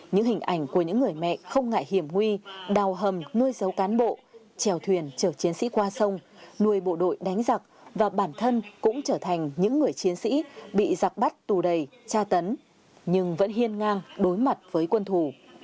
những hình ảnh của những người mẹ không ngại hiểm nguy đào hầm nuôi dấu cán bộ trèo thuyền chở chiến sĩ qua sông nuôi bộ đội đánh giặc và bản thân cũng trở thành những người chiến sĩ bị giặc bắt tù đầy tra tấn nhưng vẫn hiên ngang đối mặt với quân thủ